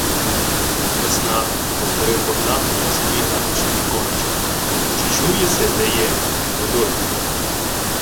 — Весна, — повторив Богдан, і собі глянувши в віконечко. — Чи чув єси, де є... Годой?